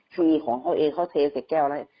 คือของเขาเองเขาเทใส่แก้วแล้ว